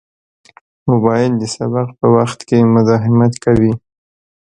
موبایل د سبق په وخت کې مزاحمت کوي.